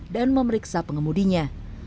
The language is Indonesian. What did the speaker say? dan memeriksa pengemudinya